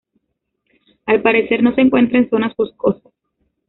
Al parecer no se encuentra en zonas boscosas.